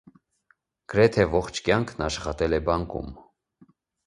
Գրեթե ողջ կյանքն աշխատել է բանկում։